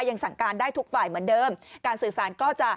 ยังสั่งการได้ทุกฝ่ายเหมือนเดิมการสื่อสารก็จะ